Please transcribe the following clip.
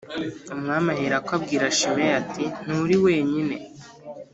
Umwami aherako abwira Shimeyi ati Nturi wenyine